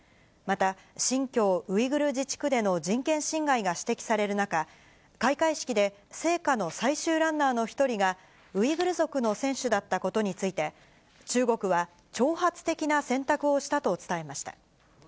また、新疆ウイグル自治区での人権侵害が指摘される中、開会式で、聖火の最終ランナーの一人がウイグル族の選手だったことについて、中国は挑発的な選択をしたと伝えました。